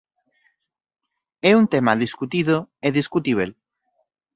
É un tema discutido e discutíbel.